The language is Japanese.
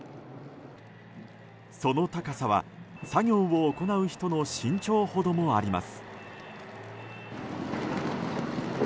その高さは作業を行う人の身長ほどもあります。